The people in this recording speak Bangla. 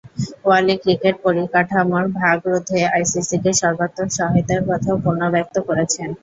ওয়ালি ক্রিকেট পরিকাঠামোর ভাগ রোধে আইসিসিকে সর্বাত্মক সহায়তার কথাও পুনর্ব্যক্ত করেছেন।